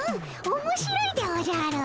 おもしろいでおじゃる。